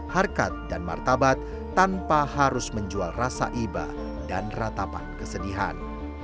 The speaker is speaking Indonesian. harkat dan martabat tanpa harus menjual rasa iba dan ratapan kesedihan